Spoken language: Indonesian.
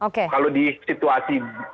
kalau di situasi